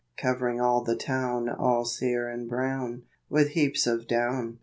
Covering all the town All sere and brown, With heaps of down.